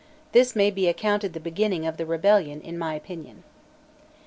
"This may be accounted the beginning of the rebellion in my opinion."